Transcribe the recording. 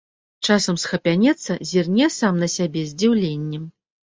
Часам схапянецца, зірне сам на сябе з здзіўленнем.